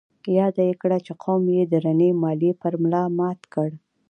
ياده يې کړه چې قوم يې درنې ماليې پر ملا مات کړ.